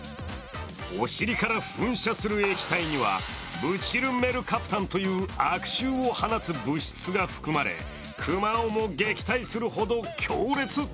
お尻から噴射する液体にはブチルメルカプタンという悪臭を放つ物質が含まれ熊をも撃退するほど強烈。